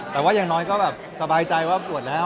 แต่ว่าอย่างน้อยก็แบบสบายใจว่าปวดแล้ว